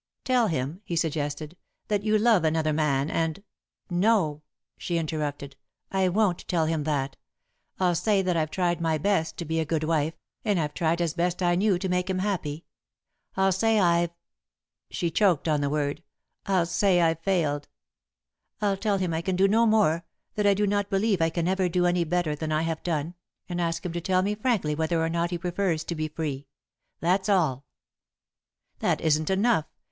"Tell him," he suggested, "that you love another man, and " "No," she interrupted, "I won't tell him that. I'll say that I've tried my best to be a good wife, that I've tried as best I knew to make him happy. I'll say I've " she choked on the word "I'll say I've failed. I'll tell him I can do no more, that I do not believe I can ever do any better than I have done, and ask him to tell me frankly whether or not he prefers to be free. That's all." [Sidenote: How Different?] "That isn't enough.